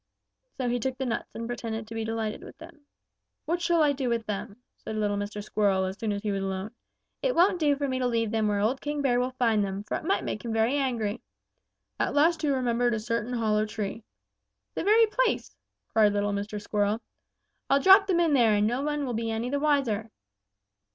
So he took the nuts and pretended to be delighted with them. "'What shall I do with them?' said little Mr. Squirrel as soon as he was alone. 'It won't do for me to leave them where old King Bear will find them, for it might make him very angry.' At last he remembered a certain hollow tree. 'The very place!' cried little Mr. Squirrel. 'I'll drop them in there, and no one will be any the wiser.'